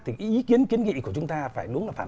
thì ý kiến kiến nghị của chúng ta phải đúng là phản ứng